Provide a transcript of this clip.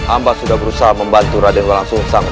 amba sudah berusaha membantu raden walang sungsang